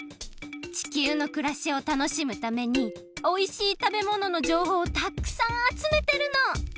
地球のくらしをたのしむためにおいしいたべもののじょうほうをたくさんあつめてるの！